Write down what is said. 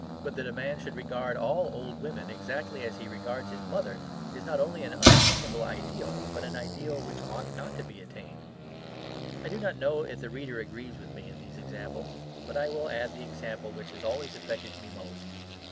But that a man should regard all old women exactly as he regards his mother is not only an unattainable ideal, but an ideal which ought not to be attained. I do not know if the reader agrees with me in these examples; but I will add the example which has always affected me most.